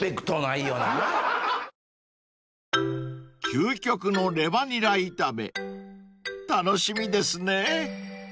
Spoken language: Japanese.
［究極のレバにら炒め楽しみですね］